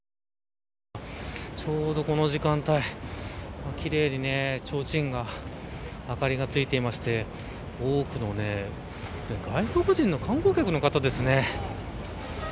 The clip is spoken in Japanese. ちょうどこの時間帯きれいに、ちょうちんが明かりがついていまして外国人の観光客の方ですね。